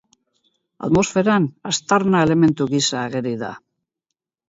Atmosferan aztarna-elementu gisa ageri da.